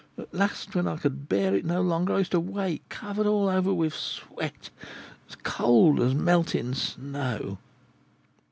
At last, when I could bear it no longer, I used to wake covered all over with sweat, as cold as melting snow."